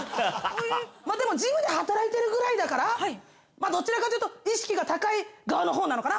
でもジムで働いてるくらいだからどちらかというと意識が高い側のほうなのかな？